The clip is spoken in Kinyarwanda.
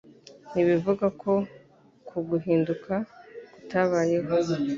ntibivuga ko uko guhinduka kutabayeho.